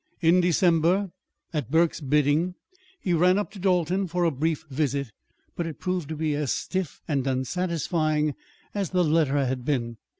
In December, at Burke's bidding, he ran up to Dalton for a brief visit, but it proved to be as stiff and unsatisfying as the letter had been.